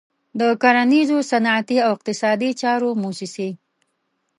د کرنیزو، صنعتي او اقتصادي چارو موسسې.